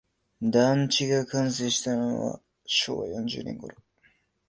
団地が完成したのは昭和四十年ごろ